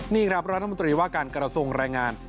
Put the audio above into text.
นี่ครับรัฐมนตรีว่าการกระทรวงแรงงาน